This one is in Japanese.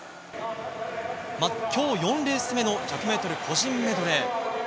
今日、４レース目の１００ｍ個人メドレー。